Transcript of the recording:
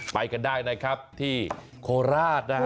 ไปกันได้นะครับที่โคราชนะฮะ